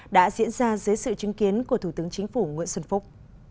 đã diễn ra dưới sự chứng kiến của thủ tướng chính phủ nguyễn xuân phúc